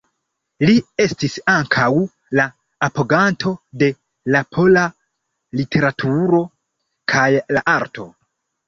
Li estis ankaŭ la apoganto de la pola literaturo kaj la arto.